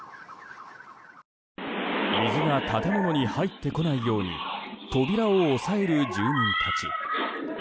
水が建物に入ってこないように扉を押さえる住人たち。